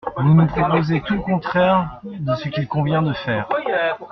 Vous nous proposez tout le contraire de ce qu’il convient de faire.